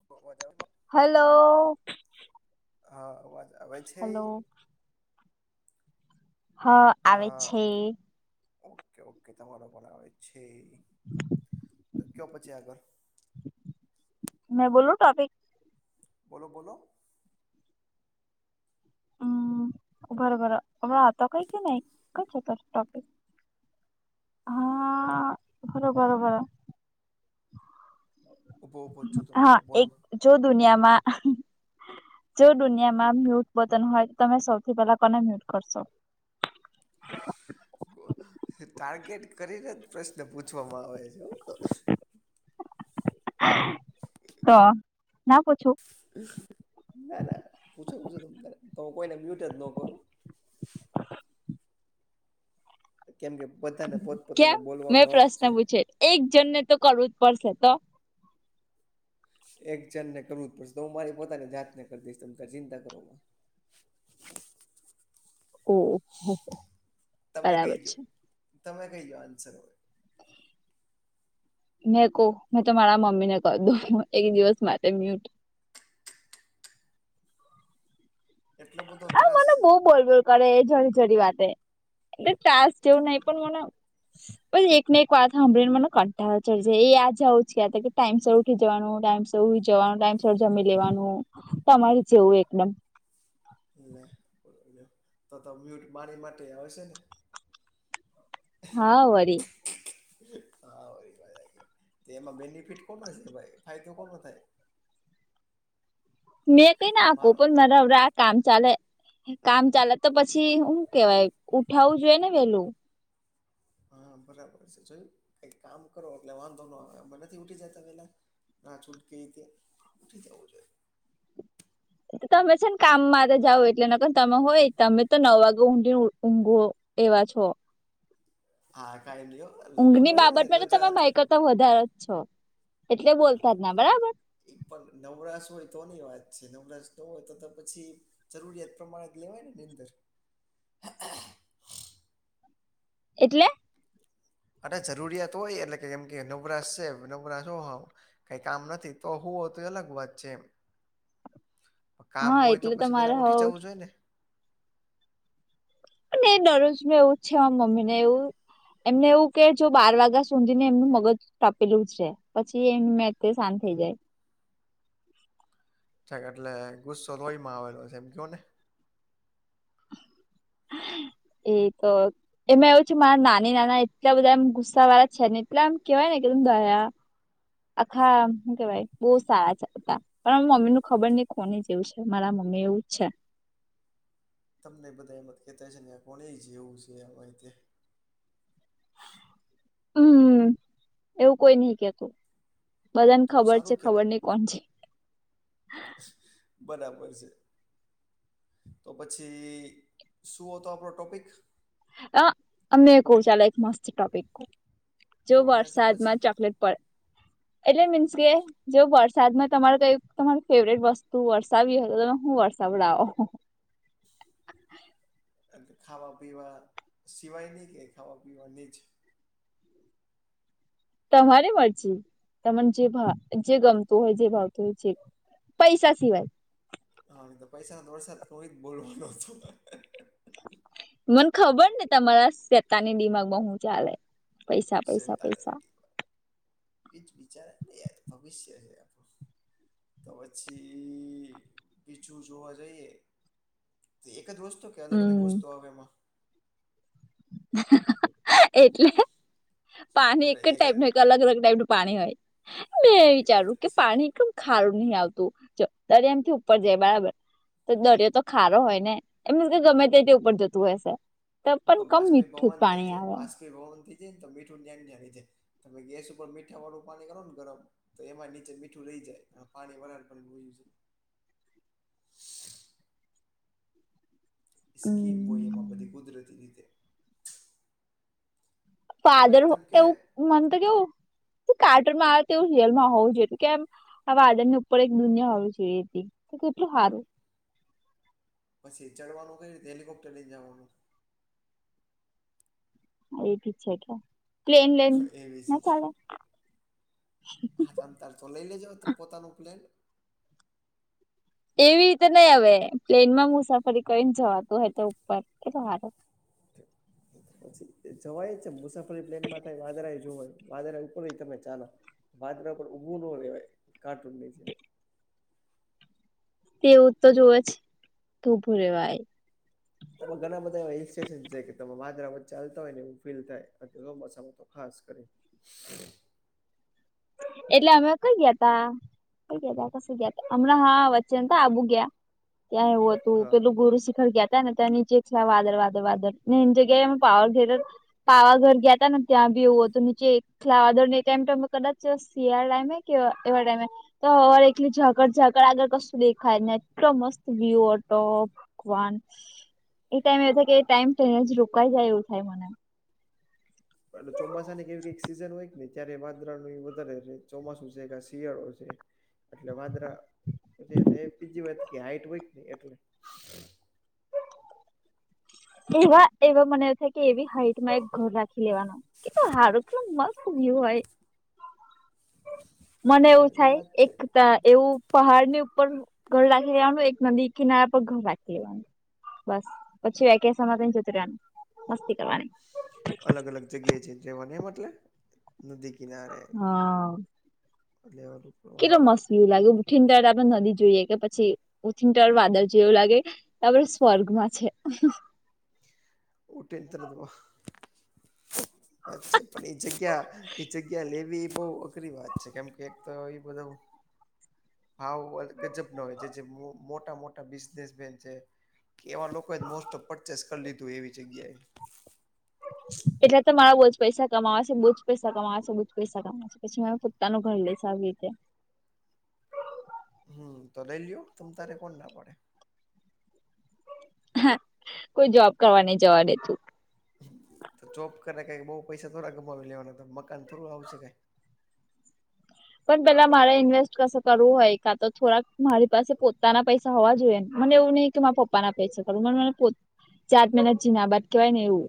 [inaudible] Hello. હા, અવાજ આવે છે? હલો હા. આવે હા, છે ઓકે ઓકે તમારો પણ આવે છે. તો કયો પછી આગળ મેં બોલું ટોપિક? બોલો બોલો હમ્મ ઊભારો હમણાં હતો કઈ કે નઈ, ક્યાં જતો રહીયો ટોપિક હા, ઊભારો ઊભારો ઊભો ઊભો જ છું તમ હા તારે બોલો એક જો દુનિયામાં જો દુનિયામાં મ્યુ મ્યુટ બટન હોય તો તમે સૌથી પેલા કોને મ્યુટ કરશો? ટાર્ગેટ કરીને જ પ્રશ્ન પૂછવામાં આવે છે. તો ના પૂછું? ના ના પૂછો પૂછો ત તો હું કોઈને મ્યુટ જ ન કરું. કેમ કે બધાને પોતપોતાને કેમ મેં બોલવાનો હક છે. પ્રશ્ન પૂછે એક જણ ને તો કરવું જ પડશે તો. એક જણને કરવું જ પડશે તો હું મારી પોતાની જાતને કરી દઈશ તમે ચિંતા કરોમાં ઓ હો તમે કઈ જો તમે કઈ જો આન્સર હવે? મેં કવ, મેં તો મારા મમ્મી ને કરી દઉ, એક દિવસ માટે મ્યુટ. એટલો બધો અરે ત્રાસ મને છે બો બોલબોલ કરે એ જરી જરી વાતે એટલે ટાસ્ક જેવું નઈ પણ મને પછી એક ને એક વાત સાંભળીને મને કંટાળ ચડી જાય એ આ જાઉ ટાઈમ [unintelligible] જવાનું ટાઈમ ઉઈ જવાનું ટાઈમ સર જમી લેવાનું તમારે જેવું એકદમ. લ બ તો તો મ્યુટ મારી માટે આવે છે ને. હા વરી. હા વા એમાં બેનિફિટ કોનો છે ભાઈ ફાયદો કોનો થાય. મેં કઈ ના આખું મારો પણ મારા કામ ચાલે કામ ચાલે તો પછી હું કેવાય ઉઠાવું જોઈએ ને વેલું. હા બરાબર છે જોયું કઈક કામ કરો એટલે વાંધો ન આવે નથી ઉઠી જતા પેલા. ના છૂટકેીતે ઉઠી જવું જોઈએ. તમે છે ને કામ માટે જઓ એટલે નખને તમે હોય તમે તો નવ વાગે ઊંડી ઊંઘ. એવા છો. હા કાય લ્યો. ઊંઘ ની બાબતમાં તો તમે ભય કરતા વધારે જ છો એટલે બોલતા જ ના બરાબર. એક પણ નવરાશ હોય તોની વાત છે નવરાશ ન હોય તો પછી જરૂરિયાત પ્રમાણે જ લેવાય નેની [unintelligible] અંદર [inaudible] એટલે! અરે જરૂરિયાત હોય એટલે કેમ કે નવરાશ છે નવરાશ હો કઈ કામ નથી તો હોું હો તો એ અલગ વાત છે એ. હા એટલે તો પછી મારે પેલા ઉઠી હવ જવું જોઈએ ને દરરોજ મે એવું જ છે મમ્મી ને એવું એમને એવું કે જો બાર વાગ્યા સુોધી ને એમનું મગજ ટપેલું છે. પછી એમ મે તે શાંત થઈ જાય. એટલે ગુસ્સો લોોહીમાં આવેલો છે એમ કવો ને. એ તો એમાં એવું છે મારા નાની નાના એટલા બધા એમ ગુસ્સા વાળા છે ને એટલે એમ કેહેવાય ને કેમ દયા. આખા શું કેવાય બહુ સારા છેતા. પણ મમ્મી ન ખબર નહિ કોની જેવું છે મારા મમ્મી એવું જ છે. તમને બધા એમાંત કેહેતા છે ને આ કોને જેવું છે આ રતે હમ્મ એવું કોઈ નહ કેતું બધાને તો ખબર છે સારું ખબર કહેવાય નહ કોણ છે. બરાબર છે. તો પછી શું હતો આપણો ટોપિક. અમે ક ચલે એક મસ્ત ટોપિક જો કયો ને તો પછી વરસાદમાં ચોકલેટ એટલે મીન્સ કે જો વરસાદમાં તમારે કઈ તમારી ફેવરેટ વસ્તુ વરસાવી હો તો તમે હું વરસાવડાવો. એ ખાવા પીવા સિવાય નની કે ખાવા પીવાની જ. તમારી મરજી તને જે ભ જે ગમતું હોય જે ભાવતું હોય જે પૈસા સિવાય. હા તો પૈસા વરસા કોઈ જ બોલવાનો. મને ખબર ને તમારા સેતાની દિમાગમાં હું ચાલે પૈસા પૈસા સતા પૈસા એજ વિચાર નહી યાર ભવિષ્ય છે આપણું. તો પછી બીછું જોવા જઈએ એક જ વસ્તુ કે અલગ અલગ વસ્તુ હમ આવે એમાં. એટલે પાણી એક જ ટાઈપનું હોય અલગ અલગ ટાઈપ નું પાણી હોય મેં જ વિચારું કે પાણી એક ખારું નહ આવતું તરે એમથી ઉપર જાય બરાબર. તો દરિયો તો ખારો હોય ને એમીસ કે ગમે તે તે ઉપર જતું હશે. પણ તો કમ બાષ્પી મીઠું જ ભવન થઈ પાણી જાય આવે બાષ્પી ભવન થઈ જાય ને તો મીઠું ન્યા [unintelligible] જી જાય. તમે ગેસ ઉપર મીઠા વાળું પાણી કરો ને ગરમ? તો એમાં નીચે મીઠું રહી જાય, ને પાણી વરાળ બનીન વયું જાય. [inaudible] [unintelligible] સ્કીમ હોય હમ. એમાં બધી કુદરતી રીત તો ફાધર કઈક તમે કે એવું મને તો કેવું કાર્ટૂન માં આવે તેવું રિયલ માં હોવું જોઈએ તું કેમ આ વાદળની ઉપર એક દુનિયા હોવી જોઈએ તી, તો કેટલું સારું? પછી ચડવાનું કઈ રીતે હેલિકોપ્ટર લઈને જવાનું? એ બી છે કે પ્લેન લઈન એવી ના છે ચાલે? હા તમતાર તું લઈ લેજો હો પોતાનું પ્લેન એવી રીતે નહી હવે, પ્લેન માં મુસાફરી કરીને જવાતું હો તો ઉપર, કેટલું હારું. હમ પછી જવાય જ છેન મુસાફરી પ્લેન માં થાય, વાદરાએ જોવાય, વાદરા ઉપર હોય તમે ચાલો. વાડરા ઉપર ઉભું ન રેહવાય, કાર્ટૂન ની જેમ. તેવું તો જોવે છે, તું ઊભું રેવાય. તમે ઘણા બધા એવા હિલ સ્ટેશસ છે કે તમે વાદરા વચ્ચે હલતા હોય ને એવુ ફીલ થાય. અત્યારે ચોમાસામાં તો ખાસ કરીન. [unintelligible] [inaudible] એટલે અમે કઈ ગ્યા તા? કઈ ગ્યા તા કસે ગ્યા તા. હમણાં હા વચ્ચે નતા આબુ ગ્યા? ત્યાં એવુ હ તું હા પેલું ગુરુ શિખર ગ્યા તા ને, તા નીચે જ છે આ વાદળ વાદર વાદર, ને એની જગ્યાએ એમેં પાવઘર પાવાઘર ગ્યા તા ને, ત્યાં બી એવું તો નીચે એકલા વાદર ને ટાઈમ તમે કદા ચ સિયાડા ટાઈમે કે એવા એવા ટાઈમે. તો હવા એકલી ઝાકર ઝાકળ આગળ કશું દેખાય નઈ, એટલો મસ્ત વ્યુ હતો ભગવાન, એ ટાઈમ એવુ થાય કે એ ટાઈમ ટઇ અજ રોકાઈ જાય એવું થાય મને. [unintelligible] ચોમાસાને એવી કઈક સીઝન હોયન ને ત્યારે વાદરા નું એ વધારે રે, ચોમાસું છે કા શિયાળો છે. એટલે વાદરા પછી નઈ આ બીજી વાત કે હાઈટ વેટ નઈ એટલે. એવા એવા મને એ થાઈ કે એવી હાઈટમાં એક ઘર રાખી લેવાનો, કેટલો હારું, કેટલો મસ્ત વ્યુ હોય. મને એવું હા એ થાય વાત છે એક ત એવું પહાડ ની ઉપર ઘર રાખી લેવાનું, એક નદી કિનારા પર ઘર રાખી લેવાનું. બસ પછી વેકેશનમાં તઈ જતું રે, મસ્તી કરવાની. અલગ અલગ જગ્યાએ છે જેવાને એ મટલે? નદી કિનારે હા અગલે વારુ કેટલો મસ્ત વ્યુ લાગે. ઉઠીન તળ આપડે નદી જોઈએ કે પછી, ઉઠીન તળ વાદળ જોયું એવું લાગે તે આપણે સ્વર્ગમાં છે. ઉઠીન તરત વા વાત છે પણ એ જગ્યા, એ જગ્યા લેવી એ બઉ અઘરી વાત છે કેમ કે એક તો એ બધામાં ભાવ ગજબ ના હોય જે જે મોટા મોટા બિઝનેસમેન છે કે એવા લોકોએ જ મોસ્ટ ઓફ પરચેસ કરી લીધું એવી જગ્યાએ. એટલે તો મારા બહુ જ પૈસા કમાવાશે, બોજ પૈસા કમાશે બુ જ પૈસા કમા પછી મે પોતાનું ઘર લઈેશ આવી રીતે. હમ્મ તો લઈ લ્યો, તમતારે કોણ ના પડે? હ કોઈ જોબ કરવા ન જવા દે તું તો ચોપ કરે ક બઉુ પૈસા થોડા ગમાવી લેવાના તો મકાન થોડું આવશે કઈ. પણ પેલા મારે ઇન્વેસ્ટ ક કરવું હોય કાં તો થોડાક મારી પાસે પોતાના પૈસા હોવા જોઈએ ને મને એવું નહી. કે મારા પપ્પા ના પૈસા કરું મને મને ચારત મહિના જીના બાદ કહેવાય ને એવું.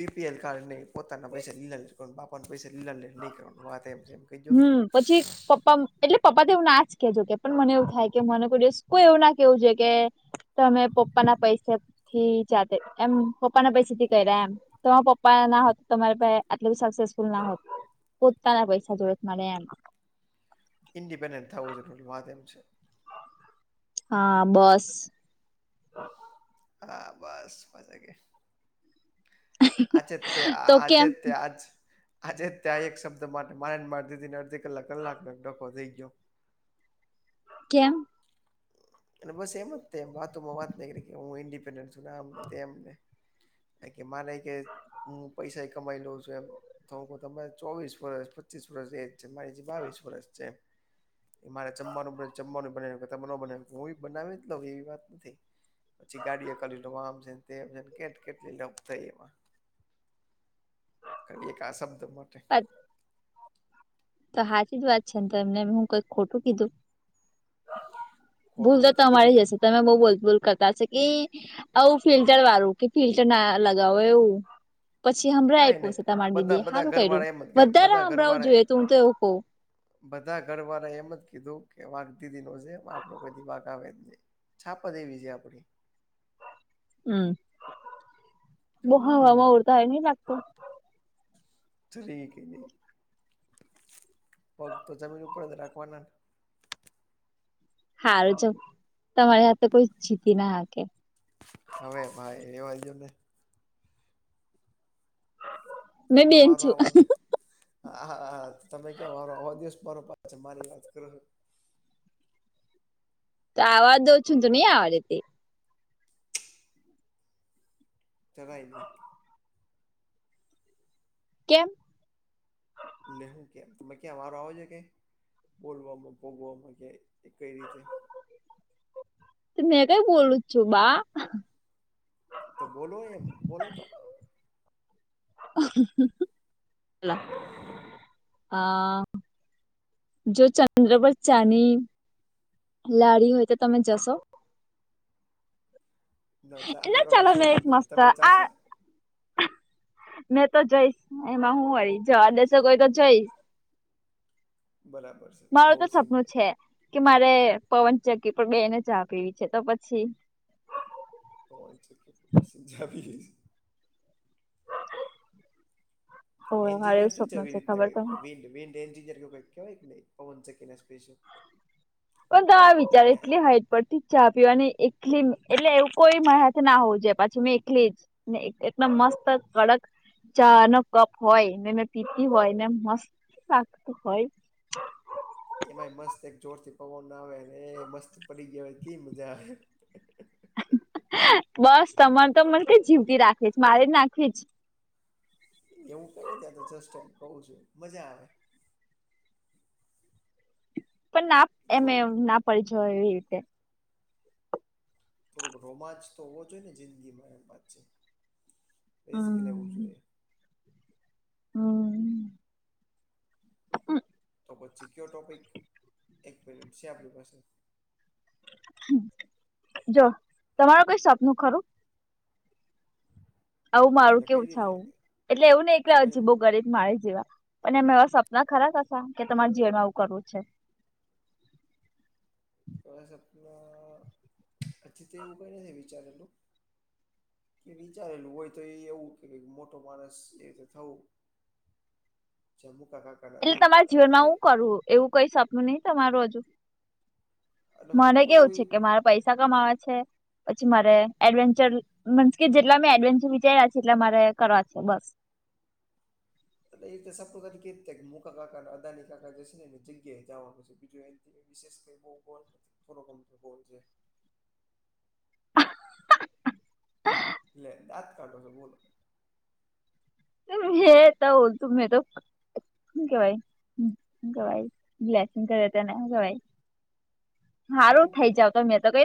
પીપીએલ કાર્ડ નહી પોતાના પૈસા લીલા બાપાને પૈસા લીલા નહી કરવાનું વાત એમ. કહી દો હમ્મ, પછી પપ્પા એટલે પપ્પા તો એવું ના જ કે જોકે પણ મને એવું થાય કે મને કોઈ દિવસ કોઈ એવું ના કેવું જોયે કે તમે પપ્પાના પૈસા થી જાતે એમ પપ્પાના પૈસા થી કર્યા એમ. તમારા પપ્પા ના હોત તો તમારે આટલે સક્સેસફુલ ના હોત. પોતાના પૈસા જોયે મળે એમ. ઇન્ડિપેન્ડન્ટ થવું જરૂરી, વાત એમ છે. હા બસ. હા હા બસ મજ કે આજે તે તો આજે કેમ તે આજ આજે જ ત્યાં એક શબ્દ માટે મારેને મારી દીદી ને અડધી કલાક કલાક ડખકોો થઈ ગયો. કેમ? એ બસેેમતમ બાતમાં વાત નગરીક હું ન્ડી મને તેમને કે માને કે હું પૈસા કમાઈ લઉં છું એમ તો હ તરે ચોવીસ વરસ પચીસ વર્ષ એજ છે મારી જે બાવીસ વર્ષ છે. એ મારે જમવાનું જમવાનું બને બને હું બ બનાવી જ લઉ એવી વાત નથી. પછી ગાડીએ કરી લો આમ છેને તેમ છેને કે કેટલી લફ થઈ એમાં. કરીએ એક આ શબ્દ માટે પચ તો હાચ જ વાત છે ને તો એમને હું કઈક ખોટું કીધું. ભૂલ ખોટું તો નથી કીધું તમારી જ હશે તમે બઉુલ ભૂલ કરતા છે કે આવું ફિલ્ટર વાળું કે ફિલ્ટર ના લગાવો એવું. પછી હમળં કાઈ નહી ફશે તમારી બધા દીદી બધા સારું કર્યું ઘરવાળા એમ જ કીધું વધારે બધા હમળં ઘરવાળા જોઈએું હું તો એવું કઉ. બધા ઘર વાળા એમ જ કીધું કે વાઘ દીદી નો છે આપણો કોઈ દી વાઘ આવે જ નહી છાપા દેવી છે આપડી હમ બહા હમ હવામાં ઉડતા હ નહ લાગત. જ કે નહી પગ તો જમીન ઉપર જ રાખવાના. હારુંજ તમારી હાથે કોઈ જીતી ના હાકે હવે ભાઈ એ વાજઓને મેં તમે બેન વારો છું આવાજ. હા હાા તમે ક્યાં મારો આવા દિવસ મારો પા મારી વાત કરો છો. તો આવાજ દ ઓ છું તો નહી આવાજે તે ચલાાયલી કેમ? લેહું કે તમે ક્યા મારો આવજ કે બોલવામાં ભોગવામાં કે એ કઈ રીતે મેં કઈ બોલું છું બા તો બોલો એમ બોલો તો એલા હા જો ચંદ્ર પરળ ચાની લાડી હોય તો તમે જશો. ના ચા એ પીવાનો ચાલોને શોખ એક જ નથી તમે મસ્તા જાશો આ મેં તો જઈશ એમાં હું હ જો આ દેશો કોઈ તો જઈશ. બરાબર છે. મારું તો બહુ સપનું સિમ્પલ છે કે મારે પવનચગી પણ બેને ચા પીવી છે તો પછી. કોન છે કે પસજ આપી લઈશ હોવે મારે એન્જિનિયર એવું થી જ સપનું એવી છે રીતના ખબર તમને ક વિન્ડ વિડ એન્િયરઈ કહેવાય ન પવન ચ કે સ્પેશિલ. પણ તો આ વિચાર એટલી હાઈટ પરથી. ચા પી અને એકલી એટલે એવું કોઈ મત ના હોવું જો પછી મેં એકલી જ ને એટલા મસ્ત કડક ચા નો કપ હોય ને પીતી હોય ને મસ્ત શકત હોય. એમાં મસ્ત એક જોર થી પવન ના આવેને એ મસ્ત પડી ગયો હોય કે મજા આવે. બસ તમારે તો મને કે જીવતી રાખે છે મારે જ નાખવીજ. એવું કઈ ને ત્યાં તો જસ્ટ એમ કું છું મજા આવે. પણ ના એમે થોડુંક ના પડીજ એવી રીતે. થોડોક રોમાંચ તો હોવો જોઈએ ને જિંદગીમાં એમ વાત છે રસ લેવું હમ જોઈએ. હમ તો પછી કયો ટોપિક એક મિનિટ છે આપણી પાસે જો તમાર કઈ સપનું ખરું? આવું મારું એટલે કઈ કેવું છે રીતે આવું એટલે એવું ને એકલે કઈ અજીબો કરે મારે જેવા અને એમે એવા સપના ખરા ક હતા કે તમારા જીવનમાં આવું કરવું છે. તોસપણા હજી તે એવું કઈને વિચારેલું કે વિચારેલું હોય તો એ એવું કે મોટો માણસ જે રી તે થવું. જમુ ક એટલે તમારા જીવનમાં હું કરવું એવું કઈ સપનું નહિ તમારું હજુ. અને હું મને કરવું કેવું એ છે કે મારે પૈસા કમા છે. પછી મારે એડવેન્ચર મસ કે જેટલા મેં એડવેન્ચર વિચાર્યા છે એટલા મારે કરવા છે બસ. એ સપતા કે કે મુકા કાકા અદાની કાકા જે છે ને એને જગ્યા એ જવાનું છે બીજું એ વિશેષ ક બહુ થોડોકમ થલ છે. લે દાંત કાઢો છો બોલો હ ત બોલતું મે તો કેવાય કેવાય બ્લેસિંગ કરે તને કેવાાઈ સારું હું કે થઈ ભાઈ જાવ તો મેં તો કઈને